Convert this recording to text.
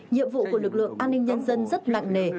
nhiệm vụ của lực lượng an ninh nhân dân rất nặng nề